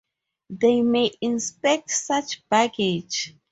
They may inspect such baggage.